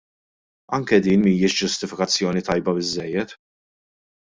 Anke din mhijiex ġustifikazzjoni tajba biżżejjed.